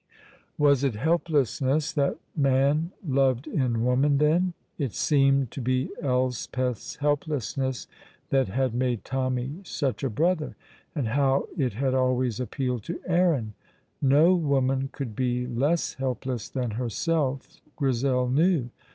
Was it helplessness that man loved in woman, then? It seemed to be Elspeth's helplessness that had made Tommy such a brother, and how it had always appealed to Aaron! No woman could be less helpless than herself, Grizel knew.